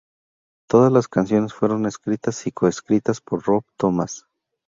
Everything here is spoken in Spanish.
Todas las canciones fueron escritas y co-escritas por Rob Thomas.